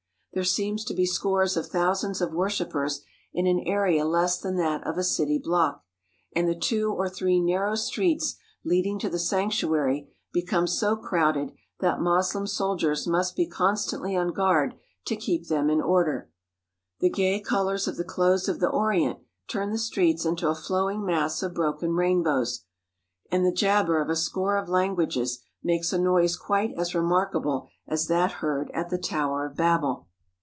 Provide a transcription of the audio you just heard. There seem to be scores of thousands of worship pers in an area less than that of a city block, and the two or three narrow streets leading to the sanctuary become so crowded that Moslem soldiers must be con stantly on guard to keep them in order. The gay col ours of the clothes of the Orient turn the streets into a flowing mass of broken rainbows, and the jabber of a score of languages makes a noise quite as remarkable as that heard at the Tower of Babel.